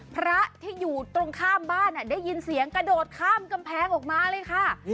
พระที่อยู่ตรงข้ามบ้านได้ยินเสียงกระโดดข้ามกำแพงออกมาเลยค่ะ